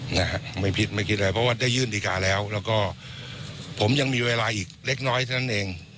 นะฮะไม่คิดไม่คิดอะไรเพราะว่าได้ยื่นดีการ์แล้วแล้วก็ผมยังมีเวลาอีกเล็กน้อยเท่านั้นเอง